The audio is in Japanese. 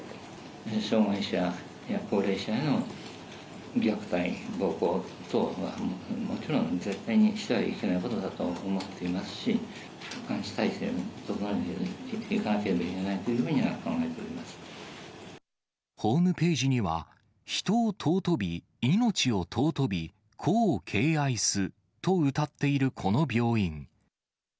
障がい者や高齢者への虐待、暴行等はもちろん、絶対にしてはいけないことだと思っていますし、監視体制を整えていかなければいけないというふうには考えておりホームページには、人を尊び、命を尊び、個を敬愛すとうたっているこの病院。